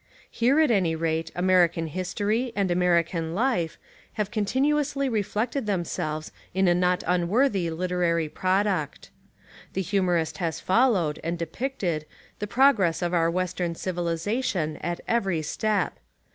Here at any rate American history, and American life, have continuously reflected themselves in a not unworthy literary product. The humorist has followed, and depicted, the progress of our western civilisation at every step.